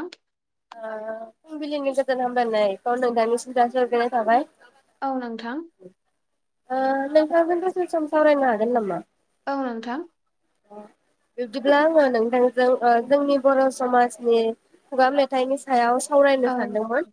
आं आ फुंबिलिनि गोजोन हामलायखौ नोंथांनि सिम थाबाय औ नोंथां आ नोंथांजों दसे सम सावरायनो हागोन नामा औ नोंथां बिब्दिब्ला आङो नोंथांजों जोंनि बर समाजनि खुगा मेथाइ मेथाइनि सायाव सावरायनो औ सानदोंमोन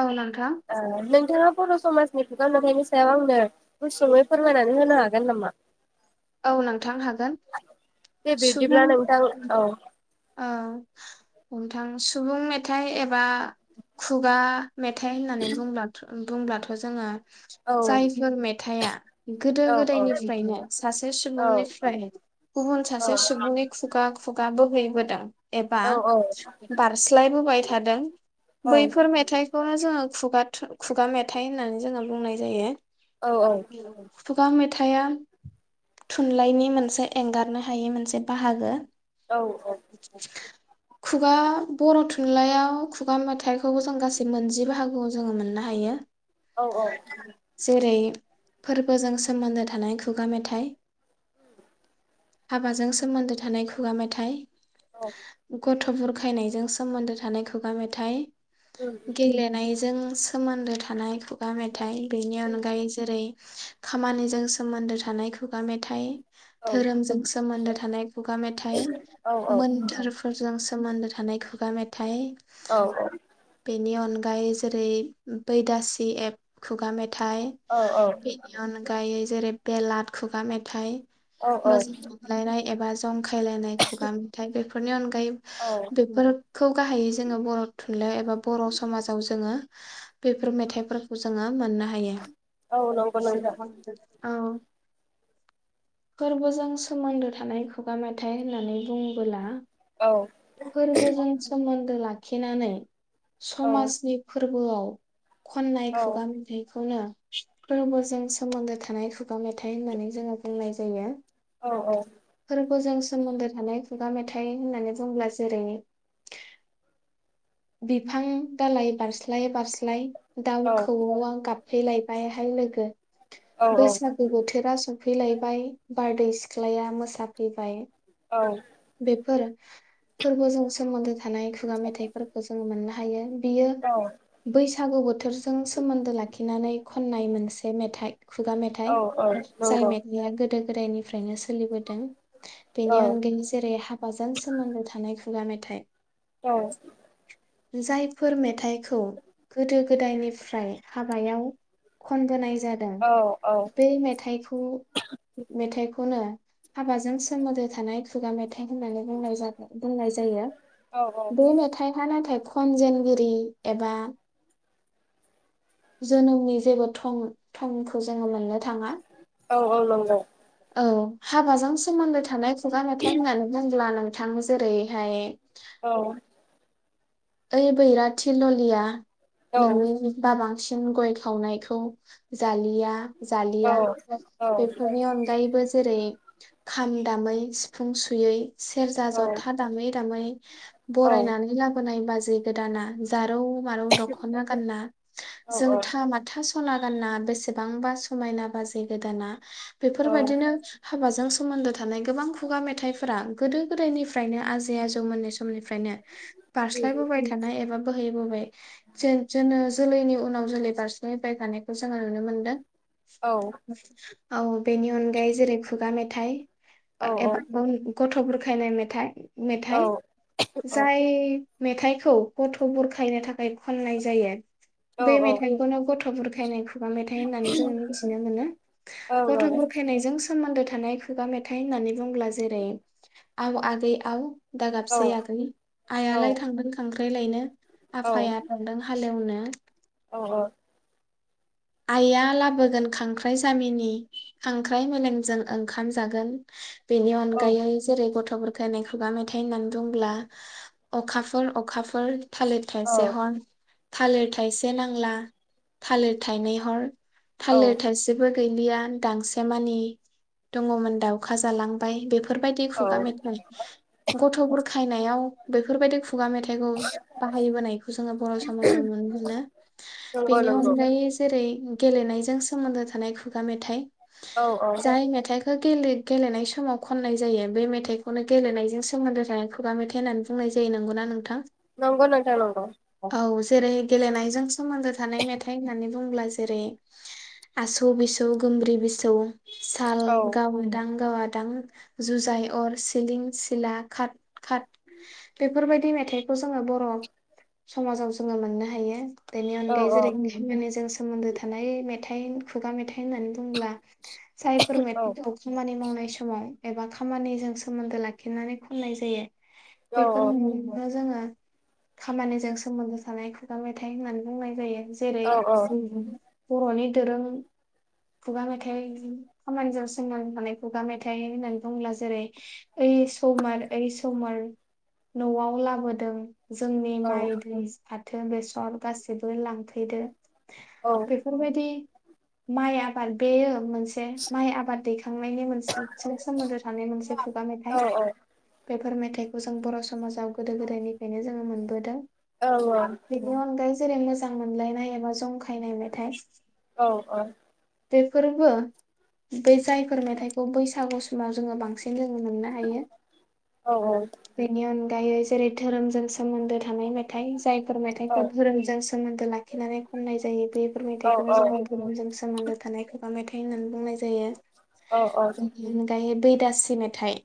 औ नोंथां ओ नों थाङा बर' समाजनि खुगा मेथाइनि सायाव आंनो गुसुङै फोरमायनानै होनो हागोन नामा औ नोंथांनो हागोन दे बिब्दिब्ला सुबुं नोंथां औ औ नोंथां सुबुं मेथाइ एबा खुगा मेथाइ होननानै बुंब्लाथ' बुंब्लाथ जोङो औ जायफोर मेथाइआ गोदो औ गोदायनिफ्रायनो सासे औ सुबुंनिफ्राय गुबुन औ सासे सुबुंनि खुगा खुगाबो गोदान एबा औ औ बारस्लायबोबाय थादों बैफोर मेथाइखौनो जोङो खुगा थुन खुगा मेथाइ होननानै जोङो बुंनाय जायो। औ औ खुगा मेथाइआ थुनलाइनि मोनसे एंगारनो हायि मोनसे बाहागो औ आ खुगा बर' थुनलाइयाव खुगा मेथाइखौबो जों गासै मोनजि बाहागोआव जोङो मोननो हायो। जेरै फोरबोजों सोमोन्दो थानाय खुगा मेथाइ [unintelligible] हाबाजों सोमोन्दो थानाय खुगा मेथाइ गथ' बुरखायनायजों सोमोन्दो थानाय खुगा मेथाइ गेलेनाय जों सोमोन्दो थानायखौ खुगा मेथाइ बेनि अनगायै जेरै खामानिजों सोमोन्दो थानाय खुगा मेथाइ औ धोरोमजों सोमोन्दो थानाय खुगा मेथाइ औ मोन्थोरफोरजों सोमोन्दो थानाय खुगा मेथाइ थाय औ औ। गायै जेरै बैदासि एप खुगा मेथ थाय औ औ बेनि अनगायै जेरै बेलाथ खुगा मेथाइ। औ मोजां मोनलायनाय एबा ज जंखायलाय खुगा मेथाइ बे फोरनि अनगा ओमफाय औ बेफोरखौ गाहायै जोङो बर' थुनलाइ एबा बर' समाजाव जोंङो बेफोर मेथाइफोरखौ जोङो मोननो हायो। औ नंगौ नोंथां औ। फोरबोजों सोमोन्दो थानाय खुगा मेथाइ होननानै बुङो बोला औ फोरबोजों सोमोन्दो ला खिनानै औ समाजनि फोरबो बोयाव। खननाय औ खुगा मोथायखौनो फोरबोजों सोमोन्दो थानाय खुगा मेथाइ होननानै जोङो बुंनाय जायो। औ औ। जों सोमोन्दो थानाय खुगा मेथाइ होननानै बुंङोब्ला जेरैनि बिफां दालाय बारस्लाय बारस्लाय दाउ औ खौऔआ गाब फैलायबायहाय लोगो। औ औ बैसागु बोथोरा स फैलायबाय, बारदै सिख्लाया मोसाफैबाय। औ। बेफोर फोरबोजों सोमोन्दो थानाय खुगा मेथाइफोरखौ जोंङो मोननो हायो। बियो नंगौ बैसागु बोथोरजों सोमोन्दो लाखिनानै खननाय मोनसे मेथाइ, खुगा औ मेथाइ। औ औ जाय नंगौ मेथाइआ गोदो गोदायनिफ्रायनो सो लिबोदों। औ बेनि अनगायै ज जेरै हाबाजों सोमोन्दो थानाय खुगा मेथाइ जायफोर मेथाइखौ गोदो गोदायनिफ्राय हाबायाव खनबोनाय जादों बे मेथाइखौ मेथाइ होनो हाबाजों सोमोन्दो थानाय खुगा मेथाय। नाय होन्नानै बुंनाय जायो औ बे मेथायहा नाथाय खनजेनगिरि एबा जोनोमनि जेबो थं थंखौ जोङो मोननो थाङा। औ औ नंगौ। औ हाबाजों सोमोन्दो थानाय खुगा मेथाय होननानै बुंब्ला बिथां जेरैहाय औ ओइ बैराथि ललिया। नंगौ नोंनि बाबा बांसिन गय खावनायखौ जालिया। जालिया बेफोरनि अनगायैबो जेरै खाम दामै सिफुं सुयै सेरजा जथा दामै दामै बरायनानै लाबोनाय बाजै गोदाना जा रौ मारौ दखना गान्ना जोंथा माथा सा सना गान्ना बेसेबांबा समायना बाजै गोदाना। बेफोरबायदिनो हाबाजों सोमोन्दो थानाय गोबां खुगा मेथाइफोरा गोदो गोदायनिफ्रायनो आजै आजौ मोननि समनिफ्रायनो। बोबायाय थानाय एबा बोहैबोबाय जो जोंङो जोलैनि उनाव जोलै बारसिनायबाय थानायखौ जोङो नुनो मोनदों। [inaudible] औ बेनि अनगायै जेरै खुगा मेथाइ। एबा औ गथ' बुरखायनाय मेथाइ। मेथाइ जाय मेथाइखौ गथ' बुरखायनो थाखाय खननाय जायो। बे मेथाइखौनो गथ' बुरखायनाय खुगा मेथाइ होननानै जोङो मिथिनो मोनो गथ' बुरखायनायजों सोमोन्दो थानाय खुगा मेथाइ होननानै बुंब्ला जेरै आव आगै आव। दा गाबसै आगै। खांख्राय लायनो। आफाया थांदों हालेवनो। [unintelligible] अ अ। आइआ लाबोगोन खांख्राइ जामिनि खांख्राइ मेलेमजों ओंखाम जागोन। बेनि अनगायै जेरै गथ'फोर बुरखायनाय खुगा मेथाइ होननानै बुंब्ला अखाफोर अखाफोर। थालिर थायसे हर। थालिर थाइसे नांला थालिर। थाइनै हर। थालिर थासेबो। गैयलिया गांसेमानि दङमोन दाउखा जालांबाय बेफो बेफोरबायदि खुगा मेथाइ गथ' बुर खायनायाव बेफोरबायदि खुगा मेथाइखौ बाहायबोनायखौ जोङो बर' समाजाव नुनो मोनो बेनि नंगौ अनगायै जेरै गेलेनायजों सोमोन्दो थानाय खुगा मेथाइ। औ औ। गेल गेलेनाय समाव खननाय जायो बे मेथाइखौनो गेलेनायजों सोमोन्दो थानाय खुगा मेथाइ होननानै बुंनाय जायो नंगौना नोंथां? नंगौ नोंथां नंगौ। औ जेरै गेलेनायजोंसो सोमोन्दो थानाय मेथाइ होननानै दंब्ला जेरै आसौ बिसौ गोमब्रि बिसौ। साल औ गावोदां गावादां जुजाय अर सिलिं सिला खात खात बेफोरबायदि मेथाइखौ जोङो बर' समाजाव जोङो मोननो हायो। बेनि औ अनगायै जेरै [unintelligible] जों सोमोन्दो थानाय मेथाइ। खुगा मेथाइ। होननानै बुंब्ला जायफोर औ मेथाइखौ खामानि मावनाय समाव। एबा खामानिजों सोमोन्दो लाखिनानै खननाय जायो। औ बैयफोर जोंङो। खामानिजों सोमोन्दो थानाय खुगा मेथाइ होननानै बुंनाय जायो। जेरै औ औ। बर'नि दोरों खुगा मेथाइ खामानिजों सोंनानै थानाय खुगा मेथाइ होननानै बुङोब्ला जेरै ओइ समर ओइ समार न'आव लाबोदों। जोंनि औ माइ दै फाथ बो बेसर गाससिबो लांफैदो। औ बेफोर बायदि माइ आबाद बेयो मोनसे। माइ आबाद दैखनायनि मोन सोमोनद थानाय मोनसे खुगा औ मेथाइ। औ बेफोर मेथाइखौ जों बर' समाजाव गोदो गोदायनिफ्रायनो जोंङो मोनबोदों। औ-औ बेनि अनगायै जेरै मोजां मोनलायनाय एबा जंखाय खायनाय मेथाइ औ-औ बे फोरबो बे जायफोर मेथाइखौ बैसागु समाव जोंङो बांसिन बेनों मोननो हायो बेनि अनगा दायै जेरै धोरोमजों सोमोन्दो थानाय मेथाइ जायफोर मेथाइखौ धोरोमजों सोमोन्दो लाखिनानै खननाय जायो। बेफोर मेथाइखौनो जोंङो गुबुनजों सोमोन्दो थानाय खुगा मेथाइ होननानै बुंनाय जायो दायो बै दासि मेथाइ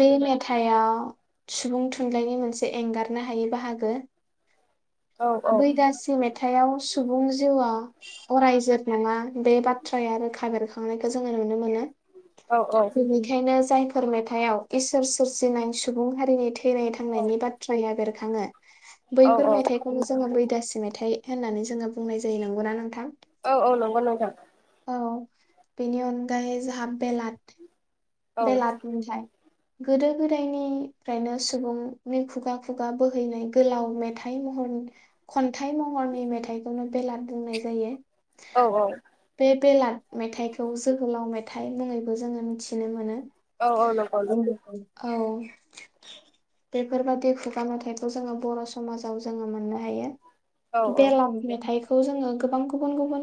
बे मेथाइआव सुबुं थुनलाइनि मोनसे एंगारनो हायै बाहागो। बैगासि मेथाइआव सुबुं जिउआ अरायजोत नंङा बे बाथ्राया रोखा बेेरखांनायखौ जोङो नुनो मोनो। बेनिखायनो जाय फोर मेथायाव इसोर सोरजिनाय सुबुं हारिनि थो थैनाय थांनायनि बाथ्राया बेर बेरखांङो। औ बैफोर मेथाइखौनो जोंङो बैदासि मेथाइ होननानै जोंङो बुंनाय जायो नंगौ ना नोंथां। औ-औ नंगौ नोंथां। औ बेनि अनगायै जाहा बेलाथ औ बेलाथनिफ्राय गोदो गोदायनिफ्रायनो सुबुंनि खुगा खुगा बोहैनाय गोलाव मेथाइ महर खन खनथाइ महरनि मेथाइखौनो बेलाट बुंनाय जायो औ बे बेलाट मेथाइखौ जोहोलाव मेथ हाथाय मुङैबो जोंङो मिथियो। बिनो मोनो। औ औ नंगौ औ बेफोरबादि खुगा मेथायाइखौ जोंङो बर' समाजाव जोंङो मोननो हायो। औ बेलाव मेथाइ खौ जोङो गोबां गुबुन गुबुन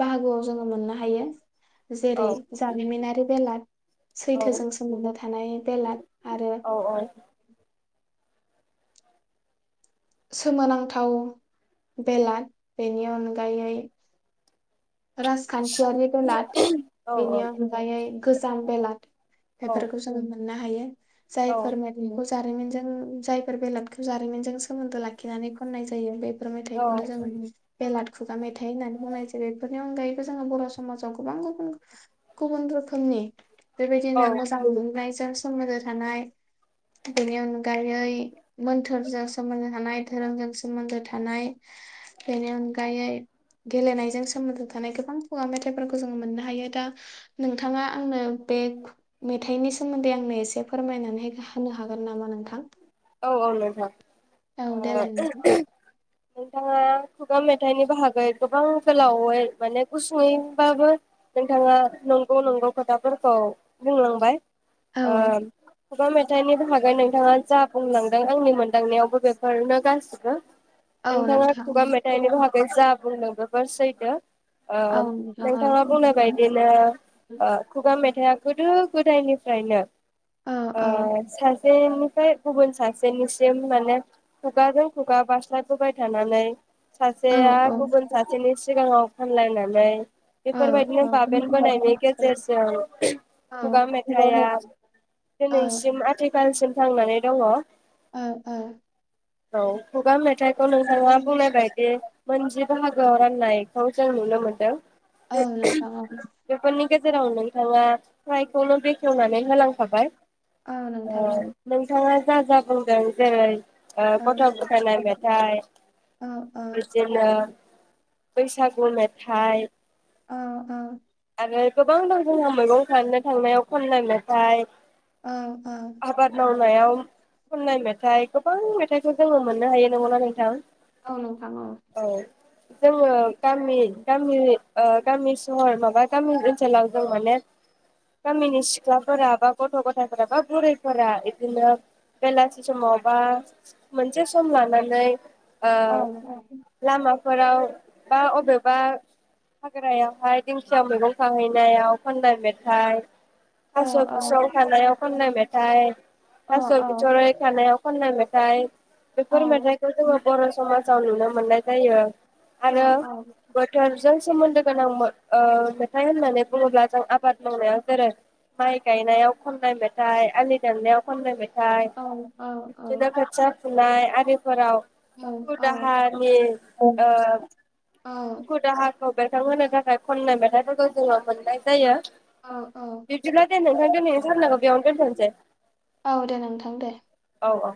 बाहागोआव जोंङो मोननो हायो। औ जेरै जारिमिनारि बेलाद औ सैथोजों सोमोन्दो थानाय बेलाद आरो औ सोमोनांथाव बेलाद बेनि अनगायै राजखान्थियारि बेलाद औ बेनि अनगायै गोजाम बेलाद बेफोरखौ जोङो मोननो हायो। हायो जायफोरना बेखौ जारिमिन जों जायफोर बेलादखौ जारिमिन जों सोमोन्दो लाखिनानै खननाय जायो बे बे मेथाइखौनो जोङो बेलाद खुगा मेथाइ होननानै बुंनाय जेरै बेफोरनि अनगायैबो जोङो बर' समाजाव गोबां गुबुन गुबुन रोखोमनि बेबायदिनो मोजां मोननायजों सोमोनदो थानाय बेनि अनगायै मोन्थोरजों सोमोन्दो थानाय धोरोमजों सोमोन्दो थानाय बेनि अनगायै गेलेनायजों सोमोन्दो थानाय गोबां खुगा मेथाइफोरखौ जोङो मोननो हायो दा नोंथाङा आंनो बे मेथाइनि सोमोन्दै आंनो एसे फोरमायनानै होनो हागोन नामा नोंथां? औ औ नोंथां औ देलाय नोंथां। अ नोंथाङा खुगा मेथाइनि बाहागै गोबां गोलावै माने गुसुङैबाबो नोंथाङा नंगौ नंगौ खोथाफोरखौ बुंलांबाय औ ओ खुगा मेथाइनि नो हागोन नोंथाङा जा बुंलांदों आंनि मोनदांनायावबो बेफोरनो गासिबो औ नोंथाङा नोंथां खुगा मेथाइनि बाहागो जा बुंदों जोबोर सैथो ओ औ नोंथां औ। नोंथाङा बुंनाय बायदिनो ओ खुगा मे थाइया गोदो गोदायनिफ्रायनो औ ओ औ सासेनिफ्राय गुबुन सासेनिसिम माने खुगाजों खुगा बारस्लायबोबाय थानानै औ सासेया औ औ। गुबुन सासेनि सिगाङाव खनलायनानै बेफोर बायदिनो औ औ बाबेन बोनायनि गेजेरजों खुगा मेथाइआ दिनैसिम आ खालसिम थांनानै दङ ओ ओ औ खुगा मेथाइखौ नोंथाङा बुंनायबायदि मोनजिगु बाहागो राननायखौ जों नुनो मोनदों औ [unintelligible] नोंथां औ बेफोरनि गेजेराव नोंथाङा फ्रायखौनो खेवनानै होलांखाबाय औ नोंथां औ [inaudible] थाङा जा जा बुंदों जेरै ओ औ। गथ बुरखायनाय मेथाइ औ औ बिदिनो बैसागु मेथाइ औ औ आरो गोबां दंबावो मैगं खानो थांनायाव खननाय मेथाइ औ औ खानायाव खन्नाय मेथाइ गोबां मेथाइखौ जोङो मोननोहायो नंगौना नोंथां औ नोंथां औ जोङो गामि गामि ओह गामि सहर माब बा गामि ओनसोलाव जों माने गामिनि सिख्लाफोरा बा गथ गथायफोरा बा बुरैफोरा इदिनो बेलासि समाव बा मोनसे सम लानानै ओ औ लामा फोराव बा अबेबा हाग्रायावहाय दिं खिया मैगं खाहैनायाव खान्नाय मेथाइ औ थास बिसं खानायाव खननाय मे थाय औ थास औ बिथराय खानायाव खननाय मेथाइ औ बेफोर मेथाइखौ जोङो बर समाजाव नुनो मोननाय जायो आरो औ बोथोर जों सोमोनदो गोनां मो ओह मेथाइ होननानै बुङोब्लाजों आबाद मावनायाव जेरै माइ गाइनायाव खननाय मेथाइ आलि दाननायाव खननाय मेथ थाय औ बिबदिनो खोथियाब फुनाय आरिब फोराव दुखु दाहानि ओह दुखु दाहा खौ बेरखां होनो थाखाय खननाय मेथाइफोरखौ जोङो मोननाय जायो औ बिबदिब्ला दे नोंथां दोनैनि सावरायनायखौ बेयावनो दोनथनोसै औ दे नोंथां दे औ औ